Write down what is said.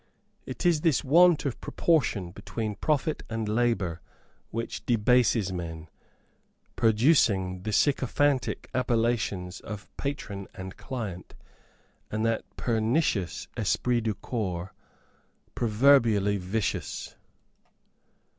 It is this want of proportion between profit and labour which debases men, producing the sycophantic appellations of patron and client, and that pernicious esprit du corps, proverbially vicious.